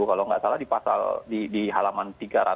kalau nggak salah di halaman tiga ratus empat puluh